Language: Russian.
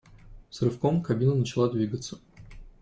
С рывком кабина начала двигаться.